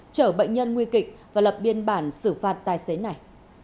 chở bệnh nhân nguy kịch và lập biên bản xử phạt tài xế này